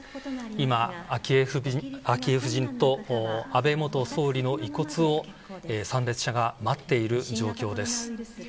今、昭恵夫人と安倍元総理の遺骨を参列者が待っている状況です。